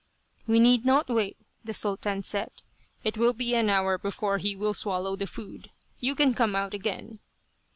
"We need not wait," the Sultan said. "It will be an hour before he will swallow the food. You can come out again."